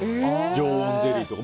常温ゼリーとか。